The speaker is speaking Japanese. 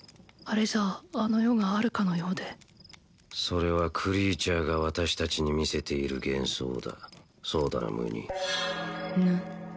あれじゃああの世があるかのようでそれはクリーチャーが私達に見せている幻想だそうだなムニヌ